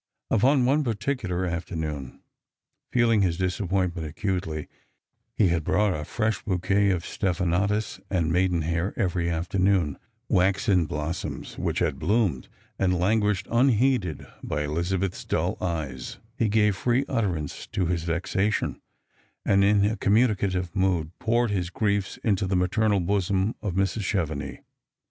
Upon one particular afternoon, feeling his disappointment acutely — he had brought a fresh bouquet "jf stephanotis and maiden hair every afternoon, waxen blossoms which had bloomed and lan» guished unheeded by Elizabeth's dull eyes — he gave free utter ance to his vexation, and in a communicative mood poured his griefs into the maternal bosom of Mrs. Chevenix.